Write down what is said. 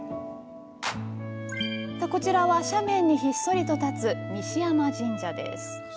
こちらは斜面にひっそりと建つ西山神社。